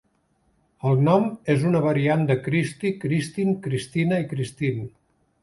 El nom és una variant de Kristi, Kristin, Kristina i Kristine.